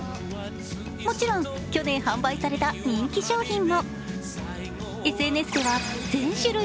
もちろん去年販売された人気商品も。